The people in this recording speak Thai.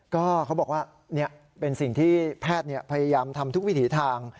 ก็เขาบอกว่าเป็นสิ่งที่แพทย์พยายามทำทุกวิถีทาง